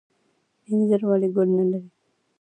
انځر ولې ګل نلري؟